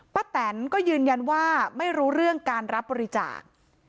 แตนก็ยืนยันว่าไม่รู้เรื่องการรับบริจาค